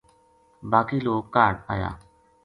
باقی لوک کاہڈ آیا